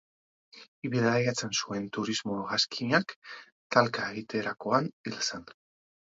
Bidaiatzen zuen turismo-hegazkinak talka egiterakoan hil zen.